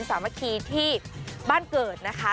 สามัคคีที่บ้านเกิดนะคะ